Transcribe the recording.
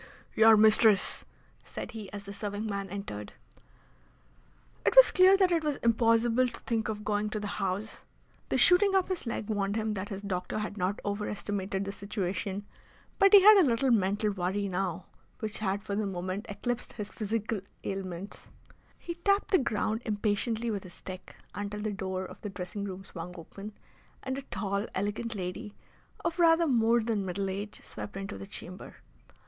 "Your mistress!" said he as the serving man entered. It was clear that it was impossible to think of going to the House. The shooting up his leg warned him that his doctor had not overestimated the situation. But he had a little mental worry now which had for the moment eclipsed his physical ailments. He tapped the ground impatiently with his stick until the door of the dressing room swung open, and a tall, elegant lady of rather more than middle age swept into the chamber.